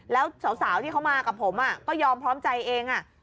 แล้วสาวที่เขามากับผมก็ยอมพร้อมใจเอง